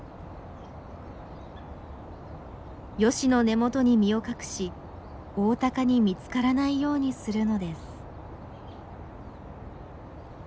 ヨシの根元に身を隠しオオタカに見つからないようにするのです。